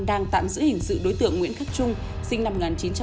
đang tạm giữ hình sự đối tượng nguyễn cấp trung sinh năm một nghìn chín trăm bảy mươi